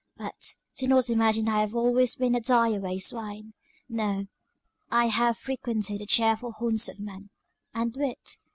But, do not imagine I have always been a die away swain. No: I have frequented the cheerful haunts of men, and wit!